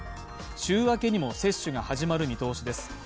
週明けにも接種が始まる見通しです。